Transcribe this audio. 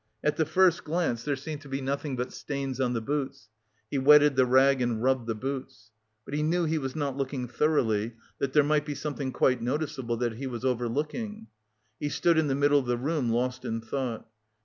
At the first glance there seemed to be nothing but stains on the boots. He wetted the rag and rubbed the boots. But he knew he was not looking thoroughly, that there might be something quite noticeable that he was overlooking. He stood in the middle of the room, lost in thought.